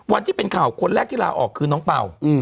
ที่เป็นข่าวคนแรกที่ลาออกคือน้องเป่า